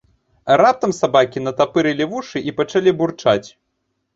Раптам сабакі натапырылі вушы і пачалі бурчаць.